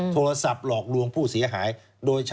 โทรศัพท์หลอกลวงผู้เสียหาย